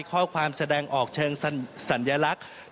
ข้อความแสดงออกเชิงสัญลักษณ์